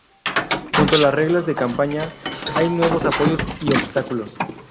Junto a las reglas de campaña, hay nuevos apoyos y obstáculos.